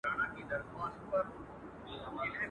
سمدستي یې پلرنی عادت په ځان سو.